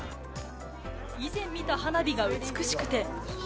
以前見た花火が美しくて。